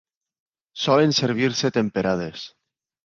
Solen servir-se temperades.